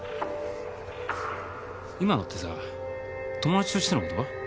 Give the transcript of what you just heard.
今のってさ友達としての言葉？